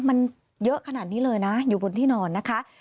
มันเยอะขนาดนี้เลยนะอยู่บนที่นอนนะคะ